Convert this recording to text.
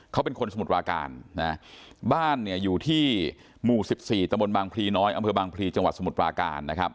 เขาเป็นคนสมุทรปราการนะบ้านเนี่ยอยู่ที่หมู่๑๔ตะบนบางพลีน้อยอำเภอบางพลีจังหวัดสมุทรปราการนะครับ